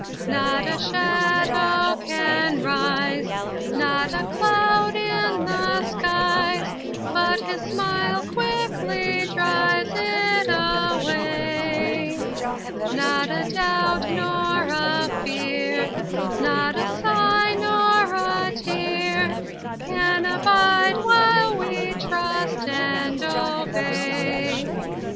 Not a shadow can rise, not a cloud in the skies, But His smile quickly drives it away; Not a doubt or a fear, not a sigh or a tear, Can abide while we trust and obey.